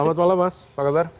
selamat malam mas apa kabar